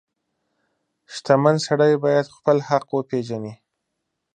• شتمن سړی باید خپل حق وپیژني.